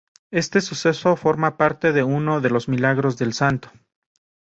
Este suceso forma parte de uno de los milagros del Santo.